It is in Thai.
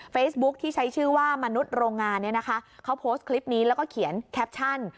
เฟซบุ๊คที่ใช้ชื่อว่ามนุษย์โรงงานเนี่ยนะคะเขาโพสต์คลิปนี้แล้วก็เขียนแคปชั่น